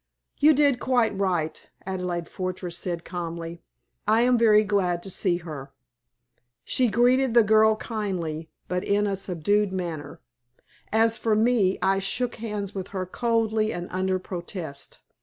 "You did quite right," Adelaide Fortress said, calmly. "I am very glad to see her." She greeted the girl kindly, but in a subdued manner. As for me, I shook hands with her coldly and under protest.